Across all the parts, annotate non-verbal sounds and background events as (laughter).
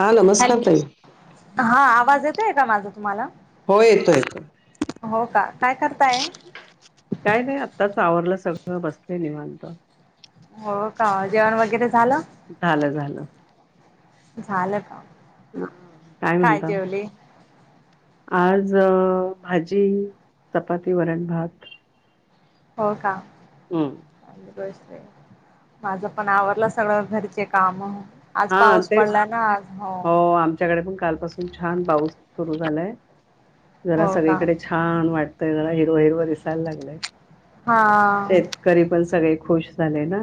हा नमस्कार हॅलो ताई हा आवाज येतोय का माझा तुम्हाला हो येतो येतो हो का काय करताय काय नाही आताच आवरलं सगळं बसलं निवांत हो का जेवण वगैरे झालं झालं झालं. झालं का ह काय म्हणत आज अ भाजी चपाती वरण भात हो का हम्म ग माझं पण आवडलं सगळं घरचे काम आज हा पाऊस तेच पडला ना आज हो आमच्याकडे पण कालपासून छान पाऊस सुरु झालंय जरा हो का सगळीकडे छान वाटतय जरा हिरव हिरव दिसायला लागलय हा शेतकरी पण सगळे खुश झाले ना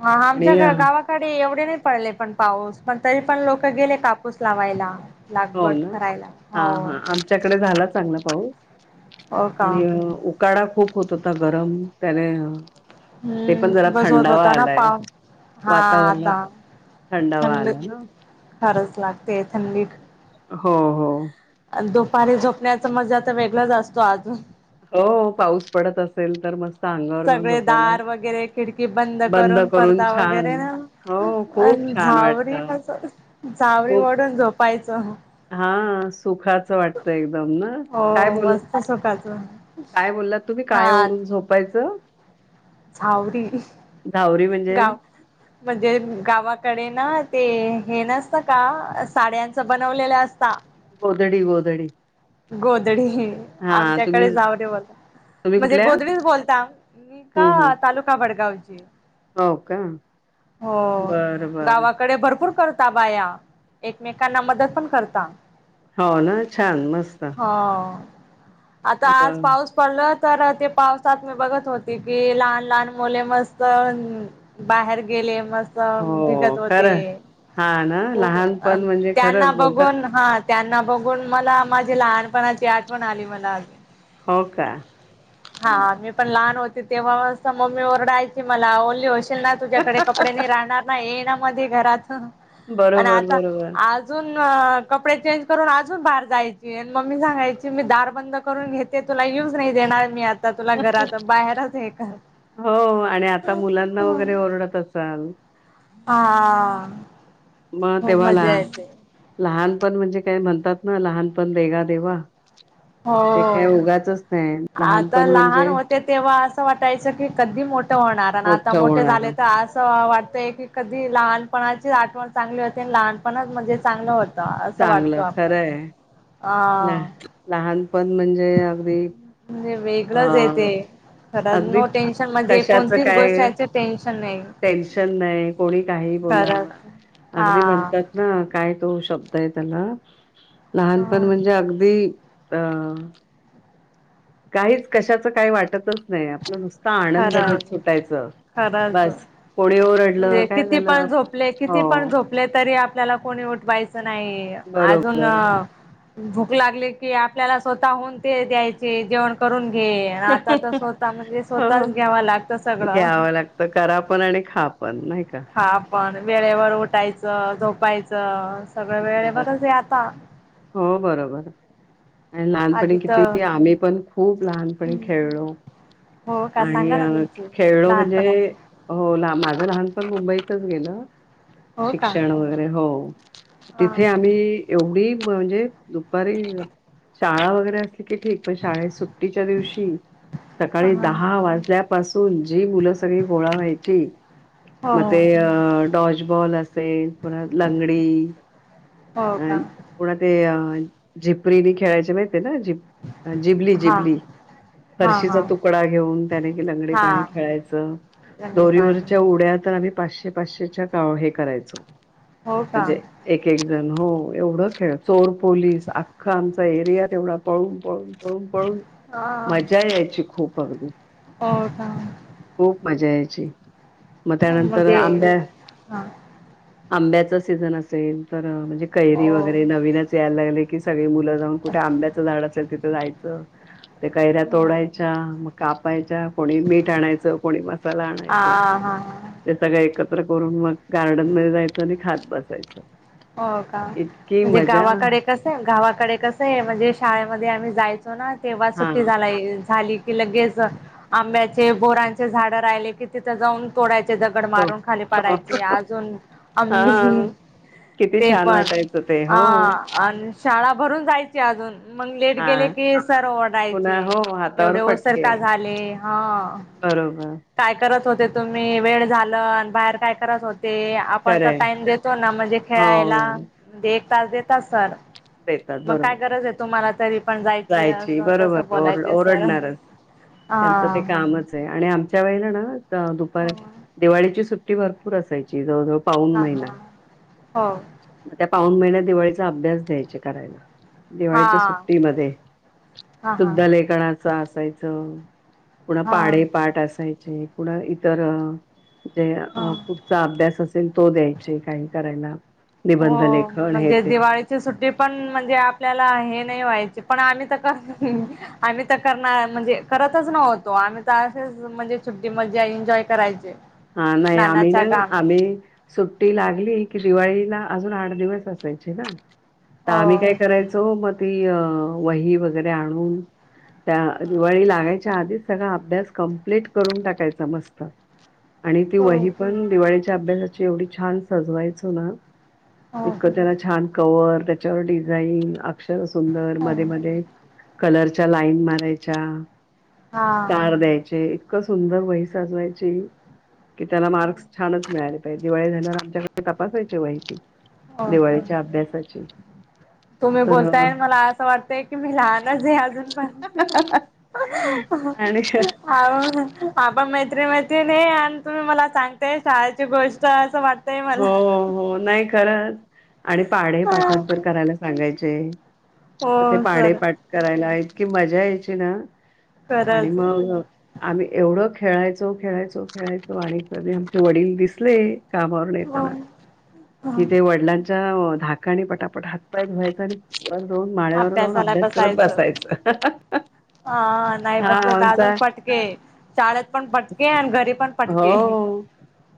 हा आमच्या आणि गावाकडे एवढे नाही पडले पण पाऊस पण तरी पण लोक गेले कापूस लावायला हो लागबड ना. करायला हा हो हा आमच्याकडे झाला चांगला पाऊस. हो का आणि उकाडा खूप होत होता गरम त्याने ते हम्म पण जरा खूपच होत थंडावा होता ना आलाय पाव हा वातावरणात आता थंडावा थंड आला ना फारच लागते थंडी हो हो दुपारी झोपण्याचा मजा आता वेगळच असतो अजून हो पाऊस पडत असेल तर मस्त अंगावर घेऊन सगळे झोपायला दार वगैरे खिडकी बंद करून पडदा वगैरे हो ना खूप छान झावर वाटतं झावर खूप वाढून झोप हा सुखाचं वाटत एकदम ना, हो काय बोल मस्त सुखाचं काय बोल्लात तुम्ही, हा काय ओढून झोपायचं? झावरी धावरी म्हणजे गाव म्हणजे गावाकडे ना ते हे नसतं का साड्यांचं बनवलेलं असता गोधडी गोधडी गोदडी हा तुम्ही आमच्याकडे झावरे बोलता तुम्ही म्हणजे कुठल्या गोदडीच बोलताव (unintelligible) हम्म हम्म का तालुका भडगावची हो का हो बरं बरं गावाकडे भर पूर करता बाया, एकमेकांना मदत पण करता हो ना छान मस्त हो आता आज बर पाऊस पडल तर ते पावसात मी बघत होती. की लहान लहान मुले मस्त बाहेर न गेले मस (unintelligible) हो भिगत होते. खरं हा ना हो हो लहानपण आन, म्हणजे त्यांना खरंच बोलतात बघून हा त्यांना बघून मला माझे लहान पणाची आठवण आली मला हो का? हा मी पण लहान होते तेव्हा अस मम्मी ओरडायची मला ओल् लीच होशिल ना तुझ्याकडे कपडे नई राहणार ना, ये ना मध्ये घरात आणि बरोबर आता बरोबर आजून अ कपडे चेंज करून अजून बाहेर जायची, अन मम्मी सांगायची मी दार बंद करून घेते तुला यूच नाही देणार मी आता तुला घरात बाहेरच हे कर हो आणि आता मुलांना वगैरे ओरडत असाल आ. मग तेव्हा ला लहानपण म्हणजे काय म्हणतात ना लहान पण देगा देवा हो ते काय उगाचच नाही आता लहानपण लहान म्हणजे होते तेव्हा अ सं वाटायच की कधी मोठं होणार आणि आता मोठं मोठे झाले होणार तर असं वाट ते की कधी लहानपणाची आठवण चांगली होती आणि लहानपणाच म्हणजे चांगलं हो चांगलं खरंय ला हा लहानपण म्हणजे अगदी म्हणजे अ वेगळंचय ते खरंच अगदी नो टेन्शन म्हणजे कशाच कोणतीच काय गोष्टचे टेन्शन नाही टेन्शन नाही, कोणी काही (unintelligible) बोला खरंच अगदी हा म्हणतात ना काय तो शब् दय त्याला लहानपण म्हणजे अगदी अ काहीच कशाचं काही वाटतच नाही आपलं नुस ता आनंद खरंच घेत सुटायच खरंच बास कोणी ओ म्हणजे किती पण झोपले, किती पण झोपले तरी आप पल्याला कोणी उठवायचं नाही आजून बरोबर भूक लागली की आपल्याला स्वतः हून ते द्यायचे जेवण करून घे, आन आता तर स्वतः म्हणजे हो स्वतःच घ्यावा लागत सगळं घ्यावं लागतं करा पण आणि खा पण नाही का खा पण वेळेवर उठायचं, झोपायचं. सगळ घरात वेळेवरच ये आता हो बरोबर आणि आधी लहानपणी तर किती आम्ही पण खूप लहानपणी खेळलो. हो का आणि सांगा ना अ तुमची खेळण म्हणजे लहानपणाची हो ना माझं लहानपण मुंबईत तच गेलं हो का शिक्षण वगैरे हो, हा तिथे आम्ही यो येवढी म्हणजे दुपारी शाळा वगैरे अस ली की ठीक पण शाळेत सुट्टीच्या दिवशी सकाळी हा दहा वाजल्यापासून जी मुलं सगळी गोळा व्हायची हो मग हो ते अ डॉशबॉल असेल पुन्हा लंगडी हो अ का पुणा ते अ झिपरीनी खेळायचे म ना जि जिबली हा जिबली हा हरशीचा हा तुकडा घेऊन त्याने कि लंगडी पाणी हा खेळायचं चांगले पाणी दोरीवरच्या उड्या तर आम्ही पाचशे पाचशेच्या काळ हे करायचो हो का म्हणजे एक एक हो एवढच चोर पोलीस अख्खा आमचा एरिया तेवढा पळून पळून पळून पळून हा मजा यायची खूप अगदी हा खूप मज्जा यायची मग त्यानंतर म्हणजे आंब्या हा आंब्याचा सीझन असेल तर णे कैरी हो वगैरे नवीनच यायला लागले की सगळे मुलं जाऊन कुठे आंब्याचं झाड असेल तिथं जायचं त्या कैऱ्या तोडायच्या मग कापायच्या कोणी मीठ आणाय को मसाला हा आणायच हा ते सगळ एकत करून मग गार्डन म जायचं आणि खात बसायचं हो का इतकी म्हणजे मजा गावाकडे कस गावाकडे कस आहे म्हणजे शाळेमध्ये आम्ही जायच तो ना तेव्हा हा सुट्टी झालाय झाली की लगेच आंब्याचे बोरांचे झाड राहिले कि तिथं जाऊन तोडायचे दगड मारून खाली पाडायचे तो अजून हा आमही किती ते छान पण वाटायचं ते हो हा आणि शाळा भरून जायची अजून मग लेट हा गेले की सर पुन्हा ओडायचे हो हातावर एवढे ओसर फटके का झाले हा बरोबर काय करत होते तुम्ही वेळ झाल बाहेर काय करात होते आपण तर खरंय टाइम देतो ना म्हणजे हो खेळायला म्हणजे एक तास देतात सर देतात मग काय बरोबर गरज आहे तुम्हाला तरी पण जायची असं तसं बरोबर ओर बोलायच सर ओरडणारच त्यांचं ते हा कामच आहे आणि आमच्या वेळेला ना दुपार हो दिवाळीची सुट्टी भरपूर असायची जवळजवळ पाऊन महिना हां मग त्या पाऊन महिन दिवाळीचा अभ्यास द्यायचे करायला दिवाळीच्या हा. सुट्टीमध्ये हा हा शुद्ध लेखनाचा असायचं कुणा हा पाडेपाठ असायचे कुणा इतर जे हा. पुढचा अभ्यास असेल तो द्यायचे काही करायला हो निबंध लेखन हे म्हणजे ते दिवाळीची सुट्टी पण म्हणजे आपल्याला हे नाही व्हायची पण आम्ही तर आम्ही तर करणार म्हणजे करतच नव्हतो आम्ही तर असेच म्हणजे छट्टी मध्ये एन्जॉय करायचे हा नाही आम्ही नानाच्या ना गावी आम्ही सुट्टी लागली की दिवाळीला अजून आठ दिवस असायचे ना तर हो आम्ही काय करायचो मग ती वही वगैरे आणून त्या दिवाळी लागायच्या आधीच सगळा अभ्यास कम्प्लीट करून टाकायचा मस्त आणि ती हो वही पण दिवाळीच्या अभ्यासाची एवढी छान सजवायचो ना हो इतकं त्यांना छान कवर त्याच्यावर डिझाईन अक्षर सुंदर मध्ये मध्ये कलरच्या लाईन मारायच्या हा स्टार द्यायचे इतकं सुंदर वही साजवायची कि त्याला मार्क्स छानच मिळाले पाहिजे दिवाळी झाल्या आमच्याकडे तपासायची माहिती हो का दिवाळीच्या अभ्यासाची तुम्ही तर बोलताय मला असं वाटतंय की मी लहानच आहे अजूनपर्यंत आणि आ बाबा म म आणि तुम्ही मला सांगते शाळेची गोष्ट असं वाट हो हो हो नाही खरच आणि पाढ पाठां तरर करायला सांगायचे म ते हो सर पाडेपाठ करायला इतकी मजा यायची ना आणि करायचं मग आम्ही एवढं खेळायचो खेळायचो खेळायचो आणि कधी आमचे वडील दिसले काम ह येताना, कि ते वडिलांच्या धाकानी पटापट हातपाय धुवायचं आणि (inaudible) जाऊन माळ्यावर जाऊन अभ्यासाला अभ्यास करत बसायचं हा नाही हा बसले तर अजून आमचा फटके. पण फटके आणि घरी पण फटके. हो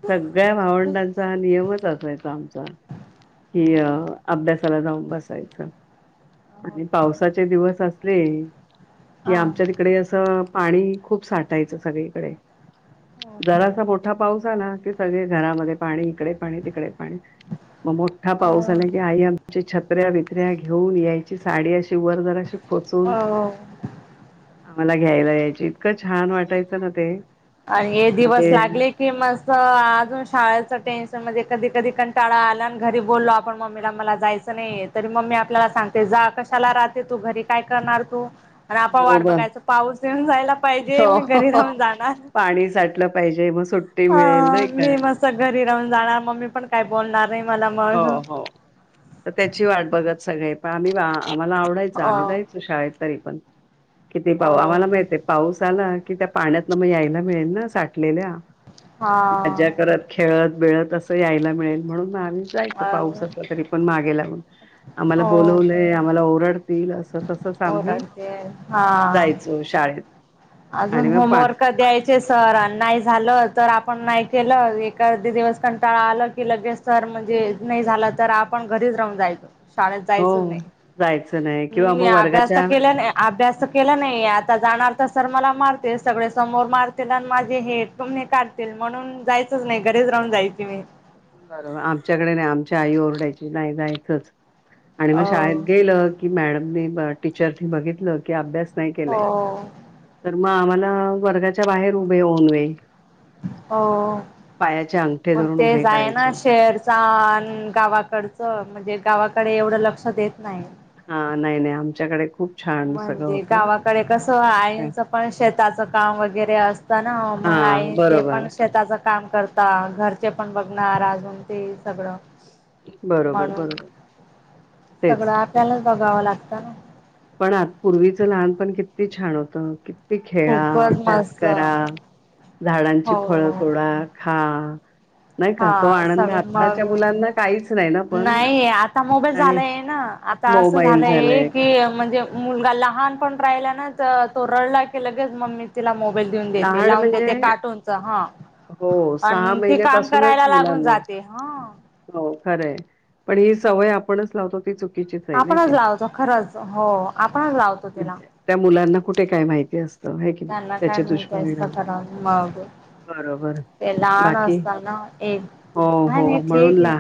सगळ्या भावंडांचा हा नियमच असायचा आमचा. कि अ अभ्यासाला जाऊन बसायचं, आणि पावसाचे दिवस अस (inaudible) कि हा आमच्या तिकडे असं पाणी खूप साठायचं सगळीकडे हो का जरासा मोठा पाऊस आला कि सगळे घरामध्ये पाणी, इकडे पाणी, तिकडे पाणी मग मोठा पाऊस हो आला की आई आमची छत्र्या बितऱ्या घेऊन यायची साडी अशी वर जरा अशी हो आम्हाला घ्यायला यायची इतकं छान वाटायचं ना ते. आणि हे मग दिवस ते लागले की म स् अजून शाळेच टेन्शन मध्ये कधी कधी कंटाळा आला आणि घरी बोललो आपण मम्मीला मला जायचं नाही, तर मम्मी आपल्याला सांगते जा कशाला राहते तू घरी काय करणार तू. आणि आपण हो वाट ब बघायचं पाऊस येऊन जायला पाहिजे मी घरी हो राहून जाणार. पाणी साठलं पाहिजे मग सुट्टी मिळेल अ नाही का मी मस्त घरी राहून जाणार मम्मी पण काय बोलणार नाही मला हो मग हो तर त्याची वाट बघत सगळे पण आम्ही वा आम्हाला आवडायचं अ आम्ही जायचो शाळेत तरी पण, किती ओ पाऊ आम्हाला माहित आहे पाऊस आला कि त्या पाण्यातला मग यायला मिळेल ना साठलेल्या हा मजा करत, खेळत, बिळत असं यायला मिळेल म्हणून न आम्ही जायचो, अ पाऊस असला तरी पण मागे लागुन, आम्हाला हो बोलवलंय, आम्हाला ओरडतील अस तसं हो सांगून रडते हा जायचो शाळेत. अजून आणि मग पा होमवर्क द्यायचे सर अन नाही झालं तर आपण नाही केलं ए एका दिवस कंटाळा आलं की लगेच तर म्हणजे नाही झालं तर आपण घरीच राह जायच शाळेत जायचंच हो नाही. जायचं नाही किंवा मी मग अभ्यास तर वर्गाच्या केला नाही अभ्यास तर केला नाही आता जाणार तर सर मला मारतील सगळे समोर मारतील आणि माझे हे हे काढतील म्हणून जायचंच नाही घरीच जायची मी बरोबर आमच्याकडे नाही, आमची आई ओरडायची नाही जायचंच. आणि मग अ शाळेत गेलं की, मॅडमनी टीचर बघितलं की अभ्यास नाही केलाय, हो तर मग आम्हाला वर्गाच्या बाहेर उभे होउन (inaudible) हो ठे धरून उभे करायचे शहरचा अन गावाकडचं म्हणजे गावाकडे एवढं लक्ष देत नाही. हा नाही नाही आमच्याकडे खूप छान सगळं म्हणजे होतं गावाकडे कसं आईंच पण शेताचं काम वगैरे असतं ना म हा आहे ते बरोबर पण शेताचं काम करता घरचे पण बघणार अजून ते सगळं बरोबर म्हणून, बरोबर तेच सगळं आपल्यालाच बघावं लागतं ना पण आ पूर्वीचं लहानपण किती छान होतं कि ती खेळा, खूपच अभ्यास मस्त. करा, झाडांची हो फळं तोडा, खा. नाही हा का तो आनंद सग आत्ताच्या मग मुलांना काहीच नाही ना पण नाही, आता मोबाईल आणि झालाय ना आता असं झालंय की म्हणजे मुलगा लहान पण राहिला ना तर, तो रडला की लगेच मम्मी तिला मोबा देते, देऊन देते लहान लावून म्हणजे देते काटूनच हा हो सहा आणि ती काम महिन्यापासूनच करायला लागून मुलांना जाते ह. हो खरंय, पण ही सवय आपणच लावतो ती चु किचीच नाय आपणच काय, लावतो खरंच हो आपणच लावतो ण त्याला त्या मुलांना कुठे काय माहिती असतं, हाय की नाय? कास ख दिमाग बरोबर ते लहान बाकी असत ना एक हो का हो नाही म्हणून ठीक आहे ला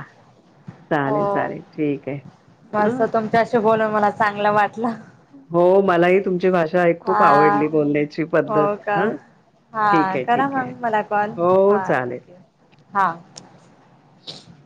हो चालेल चालेल ठीक आहे मस्त हं तुमच्याशी बोलून मला चांगलं वाटलं हो मलाही तुमची भाषा खूप हा आवडली बोलण्याची हो पद्धत का ह हा करा मग मला कॉल हो हा चालेल ठीक आहे हा